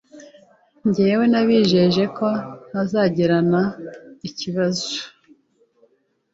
Njye nabijeje ko batazangirana ikibazo